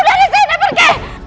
pergi dari sini